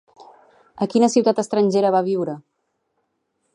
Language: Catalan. A quina ciutat estrangera va viure?